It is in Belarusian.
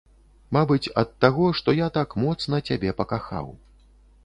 Мабыць, ад таго, што я так моцна цябе пакахаў.